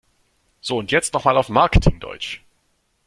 So, und jetzt noch mal auf Marketing-Deutsch!